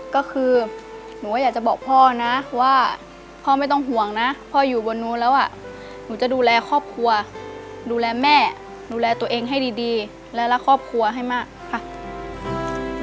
ก็คือหนูก็อยากจะบอกพ่อนะว่าพ่อไม่ต้องห่วงนะพ่ออยู่บนนู้นแล้วอ่ะหนูจะดูแลครอบครัวดูแลแม่ดูแลตัวเองให้ดีและรักครอบครัวให้มากค่ะ